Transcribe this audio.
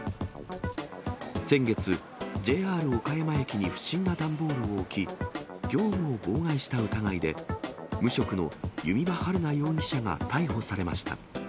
先月、ＪＲ岡山駅に不審な段ボールを置き、業務を妨害した疑いで、無職の弓場晴菜容疑者が逮捕されました。